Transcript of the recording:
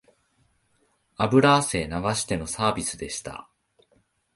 油汗流してのサービスでした